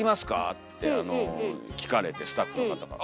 ってあの聞かれてスタッフの方から。